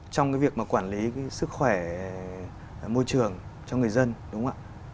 trong cái việc mà quản lý sức khỏe môi trường cho người dân đúng không ạ